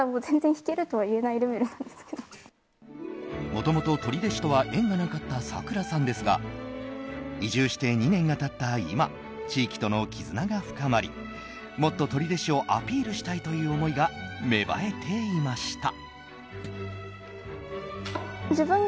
もともと取手市とは縁がなかったさくらさんですが移住して２年が経った今地域との絆が深まりもっと取手市をアピールしたいという思いが芽生えていました。